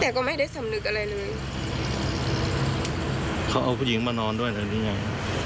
แต่ก็ไม่ได้สำนึกอะไรเลยเขาเอาผู้หญิงมานอนด้วยตอนนี้ไง